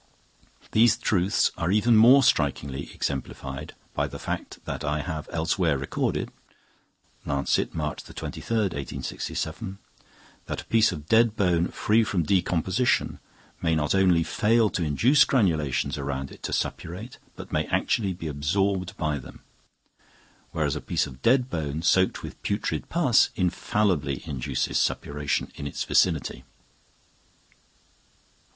These truths are even more strikingly exemplified by the fact that I have elsewhere recorded (Lancet, March 23rd, 1867), that a piece of dead bone free from decomposition may not only fail to induce the granulations around it to suppurate, but may actually be absorbed by them; whereas a bit of dead bone soaked with putrid pus infallibly induces suppuration in its vicinity.